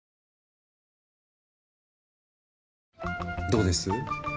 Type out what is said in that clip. どうです？